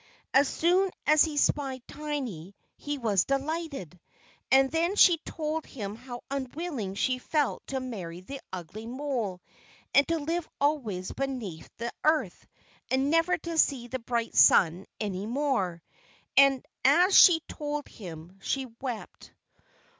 As soon as he spied Tiny, he was delighted; and then she told him how unwilling she felt to marry the ugly mole, and to live always beneath the earth, and never to see the bright sun any more. And as she told him she wept.